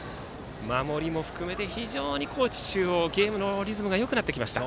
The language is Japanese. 守りも含めて非常に高知中央はゲームのリズムがよくなりました。